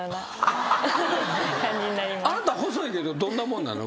あなた細いけどどんなもんなの？